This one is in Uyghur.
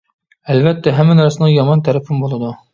ئەلۋەتتە، ھەممە نەرسىنىڭ يامان تەرىپىمۇ بولىدۇ.